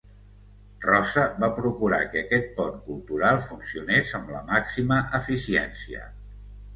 Rosa va procurar que aquest pont cultural funcionés amb la màxima eficiència.